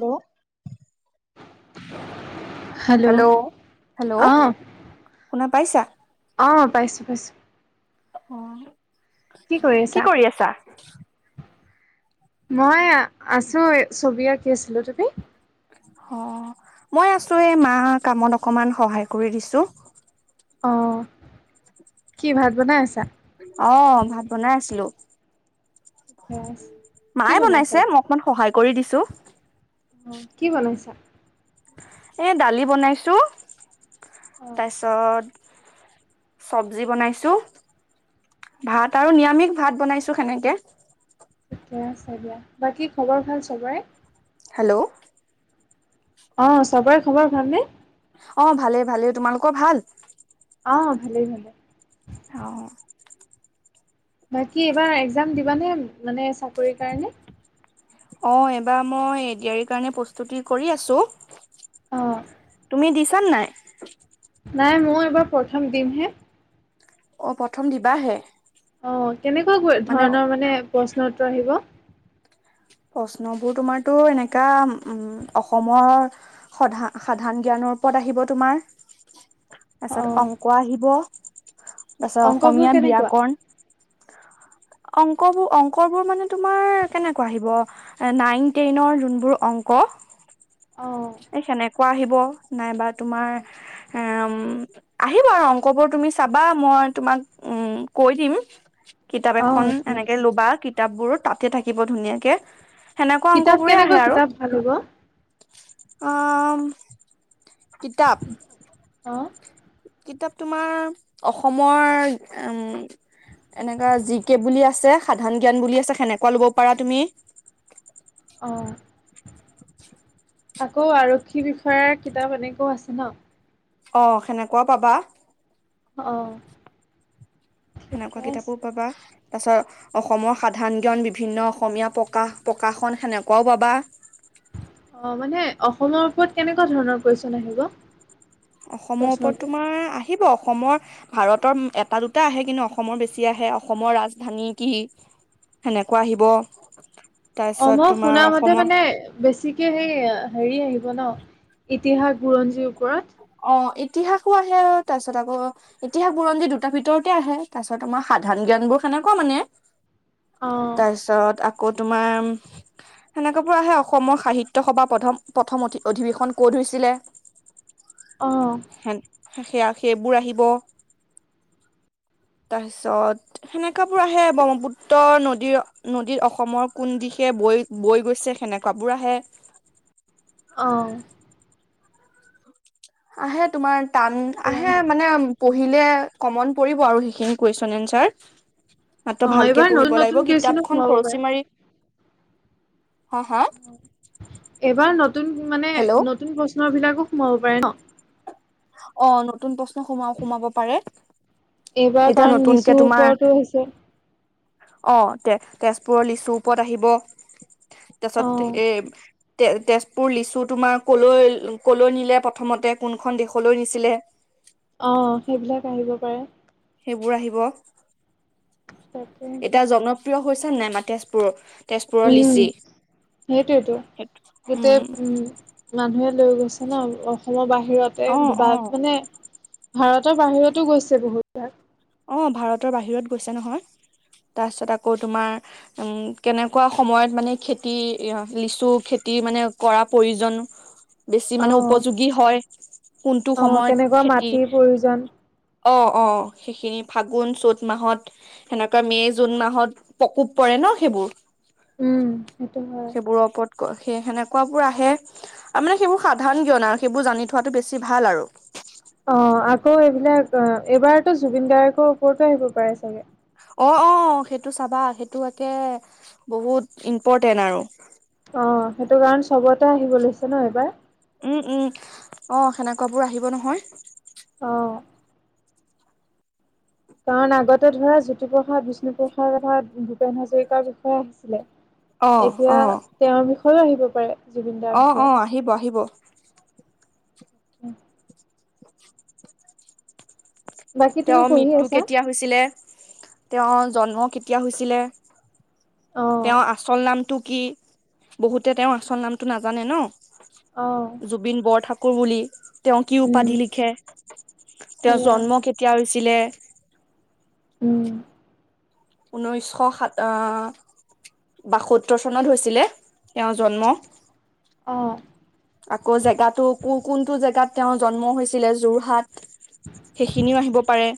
ম, hello hello hello অ! শুনা পাইছা? অঁ পাইছোঁ পাইছোঁ। অ। কি কৰি আছা? মই আ আছো ছবি আঁকি আছিলো, তুমি? অ, মই আছো এই মা কামত অকমান সহায় কৰি দিছো। অঁ। [inaudible] কি ভাত বনাই আছা? অ ভাত বনাই আছিলো। ঠিকে আছে কি মায়ে বনাইছা বনাইছে আজি? মোক অকমান সহায় কৰি দিছো। অঁ কি বনাইছা? এ দালি বনাইছো, অ' তাৰপিছত চবজি বনাইছো। ভাত আৰু নিৰামিষ ভাত বনাইছোঁ সেনেকে। ঠিকে আছে দিয়া। বাকী খবৰ ভাল চবৰে? হেল্ল'! অঁ চবৰে খবৰ ভালনে? অ ভালে ভালে তোমালোকৰ ভাল। অ ভালেই ভালে। অ বাকী এইবাৰ একজাম দিবানে মানে চাকৰিৰ কাৰণে। অ এইবাৰ মই এডিয়াৰি কাৰণে প্ৰস্তুতি কৰি আছো। অ' তুমি দিছা নাই। নাই মই এইবাৰ প্ৰথম দিমহে। অ প্ৰথম দিবাহে। অ কেনেকুৱা কৈ ধৰণৰ মানে প্ৰশ্ন উত্তৰ আহিব? প্ৰশ্নবোৰ তোমাৰতো এনেকা উ অসমৰ সধা সাধাৰণ জ্ঞানৰ ওপৰত আহিব তোমাৰ। [inaudible] তাৰপিছত অংক আহিব, তাৰপিছত অংকবোৰ অসমীয়া কেনেকুৱা? ব্যয়াকৰণ অংকবোৰ অংক বোৰ মানে তোমাৰ কেনেকুৱা আহিব? নাইন টেনৰ যোনবোৰ অংক অ' এই কেনেকুৱা আহিব নাইবা তোমাৰ আহিব অংকবোৰ তুমি চাবা মই তোমাক উম কৈ দিম। কিতাপ এখন অ', ঠিক এনেকে আছে। লবা কিতাপবোৰ তাতে থাকিব ধুনীয়াকে। সেনেকুৱা কিতাপ অংকবোৰেই কেনেকুৱা আহে আৰু। [unintelligible] অ কিতাপ? অ', কিতাপ তোমাৰ অসমৰ উম এনেকা জি-কে বুলি আছে সাধাৰন জ্ঞান বুলি আছে সেনেকুৱা লব পাৰা তুমি। অ আকৌ আৰক্ষী বিষয়াৰ কিতাপ এনেকুৱাও আছে ন? অ সেনেকুৱা পাবা। অ। সেনেকুৱা ঠিকে আছে। কিতাপো পাবা। তাৰ পিছত অসমৰ সাধাৰণ জ্ঞান, বিভিন্ন অসমীয়া প্ৰকাশ প্ৰকাশন সেনেকুৱাও পাবা। অ মানে অসমৰ ওপৰত কেনেকুৱা ধৰণৰ কোৱেচন আহিব? অসমৰ ওপৰত প্ৰশ্নবোৰ? তোমাৰ আহিব অসমৰ ভাৰতৰ এটা দুটা আহে, কিন্তু অসমৰ বেছি আহে, অসমৰ ৰাজধানী কি? সেনেকুৱা আহিব। [inaudible] অ মই শুন তোমাৰ মতে অসমৰ মানে বেছিকে সেই হেৰি আহিব ন ইতিহাস বুৰঞ্জীৰ ওপৰত। অ ইতিহাসো আহে তাৰপিছত আকৌ ইতিহাস বুৰঞ্জী দুটাৰ ভিতৰতে আহে তাৰপিছত আমাৰ সাধাৰন জ্ঞান বোৰ সেনেকুৱা মানে। অ', তাৰপিছত আকৌ তোমাৰ সেনেকা বোৰ আহে, অসমৰ সাহিত্য সভাৰ প্ৰথম প্ৰথম অ অধিৱেশন কত হৈছিলে? অ', সেয়া সেইবোৰ আহিব। [inaudible] তাৰচত সেনেকাবোৰ আহে ব্ৰহ্মপুত্ৰ নদীৰ নদীত অসমৰ কোন দিশে বৈ বৈ গৈছে সেনেকুৱাবোৰ আহে। অ। আহে তোমাৰ টান ঠিকে আহে আছে। মানে পঢ়িলে কমন পৰিব আৰু সেইখিনি কুৱেশন এঞ্চুৱাৰ। মাত্ৰ অ', ভালকে এইবাৰ নতুন পঢ়িব নতুন লাগিব, কুৱেশ্যনো কিতাপখন সোমাব পাৰে। খৰচী মাৰি হা হা এবাৰ নতুন মানে হেল্ল' নতুন প্ৰশ্নবিলাকো সোমাব পাৰে ন? অ নতুন প্ৰশ্ন সোমা সোমাব পাৰে। এইবাৰ এতিয়া কাৰণ নতুনকে লিচুৰ তোমাৰ ওপৰতো আহিছে। অ তে তেজপুৰৰ লিচু ওপৰত আহিব, তাৰপিছত অ', এ তে তেজপুৰ লিচু তোমাৰ কলৈ কলৈ নিলে প্ৰথমতে কোনখন দেশলৈ নিছিলে? অ সেইবিলাক আহিব পাৰে। সেইবোৰ আহিব। তাকে। এ জনপ্ৰিয় হৈছে নাই আমাৰ তেজপুৰৰ তেজপুৰৰ উম, লিচি সেইটোৱেতো সেইটো উম। মানুহে লৈ গৈছে ন অসমৰ বাহিৰতে অ', দুবাক অ'। মানে ভাৰতৰ বাহিৰতো গৈছে বহুত। অ ভাৰতৰ বাহিৰত গৈছে নহয়, তাৰপিছত আকৌ তোমাৰ উম কেনেকুৱা সময়ত মানে খেতি লিচু খেতি মানে কৰা প্ৰয়োজন [inaudible] বেছি মানে অ', উপযোগী হয়, কোনটো অ', সময়ত কেনেকুৱা খেতি মাটিৰ প্ৰয়োজন অ অ সেইখিনি ফাগুন- চ'ত মাহত সেনেকুৱা মে' -জুন মাহত প্ৰকোপ পৰে ন সেইবোৰ। উম, সেইটো হয় সেইবোৰৰ ওপৰত ক সে সেনেকুৱাবোৰ আহে আৰু মানে সেইবোৰ সাধাৰণ জ্ঞন আৰু সেইবোৰ জানি থোৱাটো বেছি ভাল আৰু। অ আকৌ এইবিলাক অ এইবাৰতো জুবিন গাৰ্গ ওপৰতো আহিব পাৰে চাগে? অ অ সেইটো চাবা সেইটো একে বহুত ইম্পৰ্টেণ্ট আৰু। অ সেইটো কাৰণ চবতে আহিব লৈছে ন এইবাৰ? উম উম, অ সেনেকুৱাবোৰ আহিব নহয়। অ। কাৰণ আগতে ধৰা জ্যোতিপ্ৰসাদ, বিষ্ণুপ্ৰসাদ তথা ভূপেন হাজৰিকাৰ বিষয়ে আহিছিলে। অ এতিয়া অ তেওঁৰ বিষয়েও আহিব পাৰে। জুবিন দাৰ অ অ বিষয়ে। আহিব আহিব। অ। [inaudible] বাকী তুমি তেওঁৰ পঢ়ি মৃত্যু আছা? কেতিয়া হৈছিলে, তেওঁৰ জন্ম কেতিয়া হৈছিলে? অ', তেওঁৰ আচল নামটো কি? বহুতে তেওঁৰ আচল নামটো নাজানে ন? অ। জুবিন বৰঠাকুৰ বুলি, তেওঁ কি উম, উপাধি লিখে? তেওঁ সেয়া জন্ম কেত - তিয়া হৈছিলে? উম। ঊনৈশ শ সাত আহ বাসত্তৰ চনত হৈছিলে তেওঁৰ জন্ম। অ। আকৌ জেগাতো কো কোনটো জেগাত তেওঁৰ জন্ম হৈছিলে যোৰহাট। সেইখিনিও আহিব পাৰে।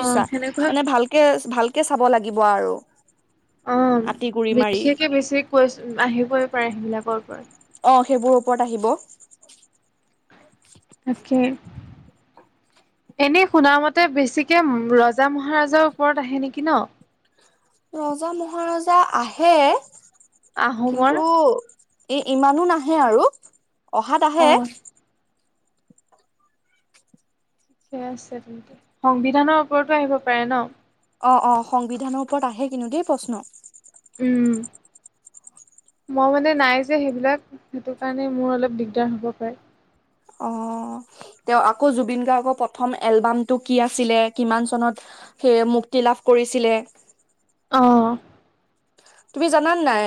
অ', সেনেকুৱা মানে ভালকে ভালকে চাব লাগিব আৰু। অ, আতি গুৰি মাৰি বিশেষকে বেছিকৈ আহিবই পাৰে সেইবিলাকৰ ওপৰত। অ সেইবোৰৰ ওপৰত আহিব। তাকে। এনেই শুনামতে বেছিকে ৰজা -মহাৰাজাৰ ওপৰত আহে নেকি ন? ৰজা মহাৰজা আহে আহোমৰ কিন্তু এ ইমানো নাহে আৰু অহাত আহে। অ', ঠিকে আছে তেন্তে সংবিধানৰ ওপৰতো আহিব পাৰে ন? অ অ সংবিধানৰ ওপৰত আহে কিন্তু দেই প্ৰশ্ন। উম। মই মানে নাই যে সেইবিলাক সেইটো কাৰণে মোৰ অলপ দিগদাৰ হ'ব পাৰে। অ তেওঁ আকৌ জুবিন গাৰ্গৰ প্ৰথম এলবামটো কি আছিলে? কিমান চনত সেয়ে মুক্তি লাভ কৰিছিলে। অ। তুমি জানানে নাই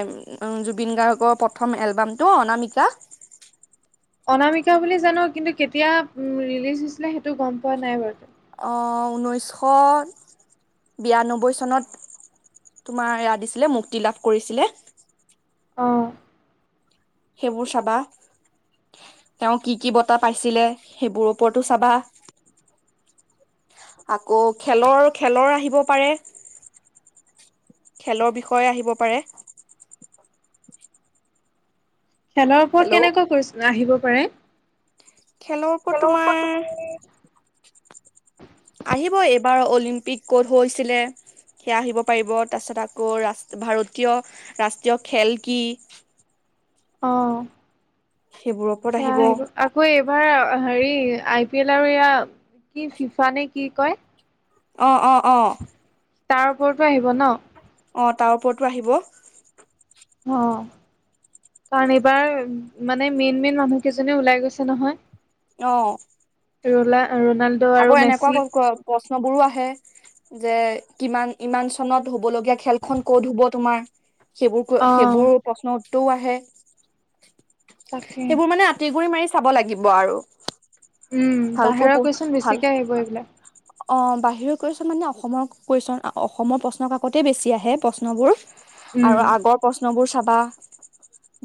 উম জুবিন গাৰ্গৰ প্ৰথম এলবামটো অনামিকা? অনামিকা বুলি জানো কিন্তু কেতিয়া ৰিলিজ হৈছিলে সেইটো গম পোৱা নাই বাৰু? অ ঊনৈছশ বিৰানব্বৈ চনত। তোমাৰ এয়া দিছিলে মুক্তি লাভ কৰিছিলে। অ। সেইবোৰ চাবা। তেওঁ কি কি বঁটা পাইছিলে সেইবোৰ ওপৰটো চাবা। আকৌ খেলৰ খেলৰ আহিব পাৰে। খেলৰ বিষয়ে আহিব পাৰে। খেলৰ ওপৰত হেল্ল' কেনেকুৱা কুৱেচন আহিব পাৰে? খেলৰ ওপৰত তুমি [inaudible] আহিব এইবাৰ অলিম্পিক ক'ত হৈছিলে? সেয়া আহিব পাৰিব। তাপিছত আকৌ ৰাষ্ট ভাৰতীয় ৰাষ্ট্ৰীয় খেল কি? অহ সেইবোৰৰ ওপৰত সেয়া আহিব। আকৌ এইবাৰ হেৰী আই পি এল আৰু এয়া কি ফিফা নে কি কয়? অ অ অ। তাৰ ওপৰটো আহিব ন? অ তাৰ ওপৰটো আহিব। অ। কাৰণ এইবাৰ মানে মেইন মেইন মানুহ কেইজনে ওলাই গৈছে নহয়। অ। ৰলা ৰনাল্ড আকৌ এনেকুৱা ক ক প্ৰশ্নবোৰো আহে। যে কিমান ইমান চনত হ'ব লগীয়া খেলখন ক'ত হ'ব তোমাৰ? সেইবোৰ কোৱ অ', সেইবোৰ প্ৰশ্ন উত্তৰো আহে। তাকে সেইবোৰ মানে আ- আটিগুৰি মাৰি চাব লাগিব আৰু। উম ভালকৈ বাহিৰৰ পঢ় কুৱেচন ভাল বেছিকে আহিব এইবিলাক। অ বাহিৰৰ কুৱেচন মানে অসমৰ কুৱেচন অসমৰ প্ৰশ্ন কাকতে বেছি আহে প্ৰশ্নবোৰ। উম। আৰু আগৰ প্ৰশ্নবোৰ চাবা।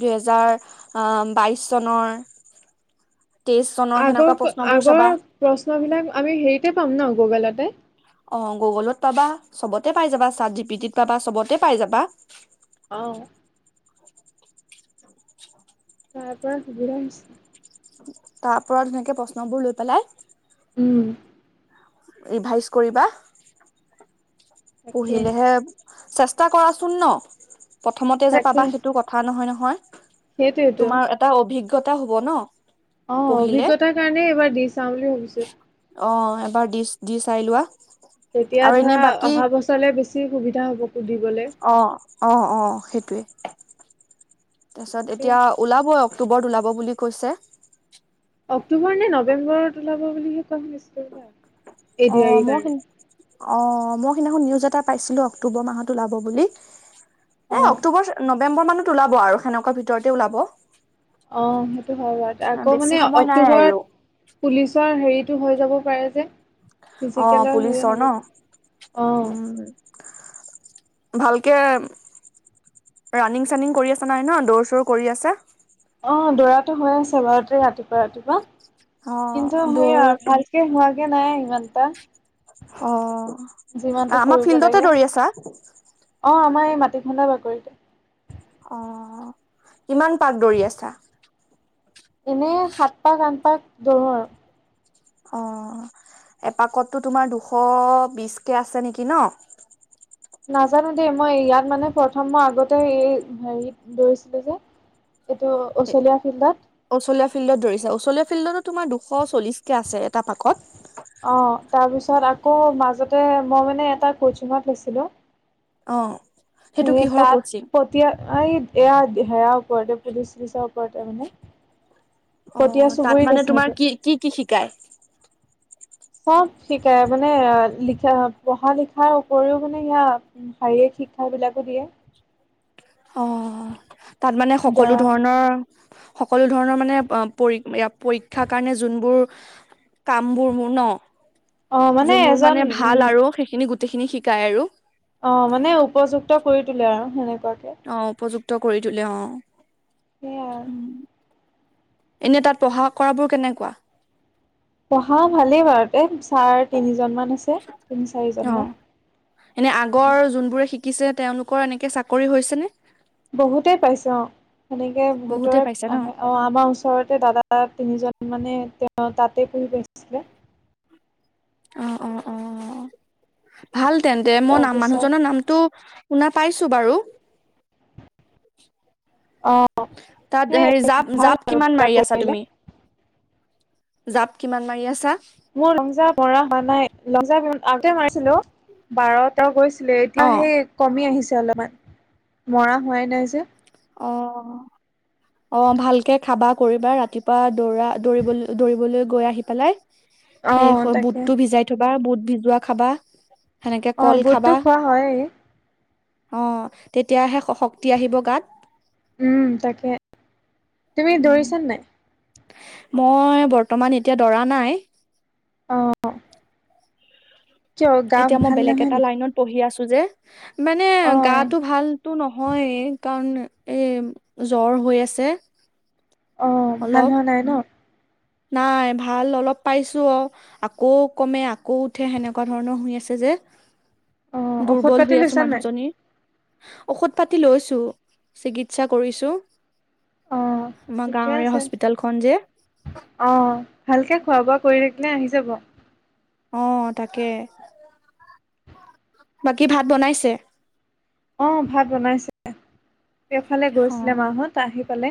দুহেজাৰ আ বাইছ চনৰ। তেইছ চনৰ সেনেকুৱা প্ৰশ্নবোৰ চাবা। প্ৰশ্ন বিলাক আমি হেৰীতে পাম ন গুগলতে। অ গুগলত পাবা চবতে পাই যাবা চাৰ্ট জি পি টিত পাবা চবতে পাই যাবা। অ। [inaudible] তাৰ পৰা সুবিধা হৈছে। তাৰ পৰা ধুনীয়াকে প্ৰশ্ন বোৰ লৈ পেলাই উম। ৰিভাইজ কৰিবা। তাকে পঢ়িলেহে, চেষ্টা কৰাচোন ন প্ৰথমতে যে তাকে পাবা সেইটো কথ থা নহয় নহয়। সেইটোৱেইটো। তোমাৰ এটা অভিজ্ঞতা হ'ব ন। অ পঢ়িলে অভিজ্ঞতাৰ কাৰণে এইবাৰ দি চাওঁ বুলি ভাবিছোঁ। অ এবাৰ দিচ দি চাই লোৱা। তেতিয়া আৰু এনে ধৰা বাকী অহা বছৰলে বেছি সুবিধা হ'ব সুধিবলে। অ অ অ সেইটোৱে। পিছত তাকে এতিয়া ওলাবই অক্টোবৰত ওলাব বুলি কৈছে। অক্টোবৰ নে নৱেম্বৰত ওলাব বুলিহে কোৱা শুনিছো বা। অ মই কিন্- অ মই সিদিনাখন নিউজ এটা পাইছিলো অক্টোবৰ মাহত ওলাব বুলি। অ এ অক্টোবৰ নৱেম্বৰ মানত ওলাব আৰু সেনেকুৱা ভিতৰতে ওলাব। অ সেইটো হয় বাৰু আকৌ বেছি মানে সময় নাই আৰু অক্টোবৰত পুলিচৰ হেৰীটো হৈ যাব পাৰে যে। অ ফিজিকেলৰ হেৰি পুলিছৰ হ'ব ন। পাৰে। অ উম ভালকে ৰানিং চানিং কৰি আছে নাই ন দৌৰ চৌৰ কৰি আছা। অ দৌৰাতো হৈ আছে বাৰুতে ৰাতিপুৱা ৰাতিপুৱা অ কিন্তু দৌৰ সেইয়া ভাল- কে হোৱাগে নাই ইমান। এটা অ যিমানটো আমাৰ কৰিব লাগে। ফিল্ডতে দৌৰি আছা। অ আমাৰ এই মাটি খন্দা বাকৰিতে। অ কিমান পাক দৰি আছা। এনেই সাত পাক আন পাক দৰো আৰু। অ এপাকতো তোমাৰ দুশ বিশ কে আছে নেকি ন? নাজানো দেই মই ইয়াত মানে প্ৰথম মই আগতে এই হেৰিত দৰিছিলো যে। এইটো অচলীয়া ফিল্ডত। অচলীয়া ফিল্ডত ধৰিছে ওচলীয়া ফিল্ডতো তোমাৰ দুশ চল্লিশ কে আছে এটা পাকত। অ তাৰপিছত আকৌ মাজতে মই মানে এটা কৌচিঙত লৈছিলোঁ। অহ। সি তাত পতিয়া এইট এয়া সেয়াৰ ওপৰতে পুলিচ চুলিচৰ ওপৰতে মানে। অ পতিয়া তাত চুবুৰীত মানে আছে সেইটো তোমাৰ কি কি কি শিকায়। চব শিকাই মানে লিখা পঢ়া লিখাৰ উপৰিও মানে সেয়া। শাৰীৰিক শিক্ষা বিলাকো দিয়ে। অ তাত মানে সকলো ধৰা ধৰণৰ সকলো ধৰণৰ মানে পৰী এয়া পৰীক্ষাৰ কাৰণে যোনবোৰ কাম বোৰ মোৰ ন, অ যোন মোৰ এজন মানে ভাল উম আৰু সেইখিনি গোট- গোটেইখিনি শিকায় আৰু। অ মানে উপযুক্ত কৰি তোলে আৰু সেনেকুৱাকে। অ উপযুক্ত কৰি তলে অ সেয়াই আৰু উ। এনেই তাত পঢ়া কৰাবোৰ কেনেকুৱা। পঢ়া ভালেই বাৰুতে ছাৰ তিনিজনমান আছে তিনি অ চাৰিজনমান। এনে আগৰ যোনবোৰে শিকিছে তেওঁলোকৰ এনেকে চাকৰি হৈছে নে? বহুতেই পাইছো অ সেনেকে বহুতে বহুতৰে পাইছে ন আহে অ আমাৰ ওচৰত ওচৰতে দাদা তিনিজন মানে তেওঁ তাতে পুহি পাইছিলে। অ, অ, অ ভাল তেন্তে মই নাম তাৰপিছত মানুহজনৰ নামটো শুনা পাইছো বাৰু। অ সেই তাত ভাল হেৰি জাপ আৰু জাপ তাত কিমান মাৰি কৰিব আছা তুমি? পাৰিলে। জাপ কিমান মাৰি আছা। মোৰ লংজাপ মৰা হোৱা নাই লংজাপ আগতে মাৰিছিলো বাৰ তেৰ গৈছ- ছিলে এতিয়া অ'। সেই কমি আহিছে অলপমান মৰা হোৱাই নাই যে। অহ। অ ভালকে খাবা কৰিবা ৰাতিপুৱা দৌৰা দৌৰিবলৈ দৌৰিবলৈ গৈ আহি পেলাই। অ সেই তাকে বুটটো ভিজাই থবা বুট ভিজোৱা খাবা। সেনেকে অ কল বুটতো খাবা খোৱা হয়ে। অ তেতিয়াহে শক্তি আহিব গাত। উম তাকে তুমি উম, দৌৰিছা নাই। মই বৰ্তমান এতিয়া দৰা নাই। অ। কিয় গা এতিয়া মই ভাল বেলেগ নহয় এটা নেকি লাইনত পঢ়ি আছো যে, মানে অ গাটো ভালতো নহয় কাৰণ এই জ্বৰ হৈ আছে। অ ভাল অলপ হোৱা নাই ন। নাই ভাল অলপ পাইছো অ। আকৌ কমে আকৌ উঠে সেনেকুৱা ধৰণৰ শুই আছে যে। [inaudible] ঔষধ দুৰ্বল পাতি হৈ আছো লৈছা নাই মানুহজনীৰ। ঔষধ পাতি লৈছো, চিকিৎসা কৰিছো। অ আমাৰ ঠিকে গাঁৱৰে আছে হস্পিতালখন যে। অ ভালকে খোৱা -বোৱা কৰি থাকিলে আহি যাব। অ তাকে। বাকী ভাত বনাইছে? অঁ ভাত বনাইছে? এফালে গৈছিলে অ মাহঁত আহি পালে।